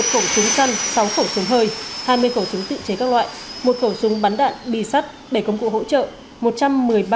một khẩu súng săn sáu khẩu súng hơi hai mươi khẩu súng tự chế các loại một khẩu súng bắn đạn bi sắt bảy công cụ hỗ trợ